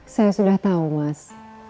saya sudah tau mas